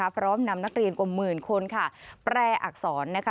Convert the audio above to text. พร้อมนำนักเรียนกว่าหมื่นคนค่ะแปรอักษรนะคะ